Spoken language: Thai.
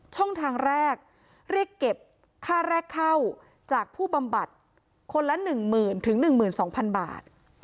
ช่องทางแรกเรียกเก็บค่าแรกเข้าจากผู้บำบัดคนละหนึ่งหมื่นถึงหนึ่งหมื่นสองพันบาท